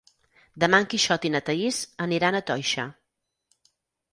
Demà en Quixot i na Thaís aniran a Toixa.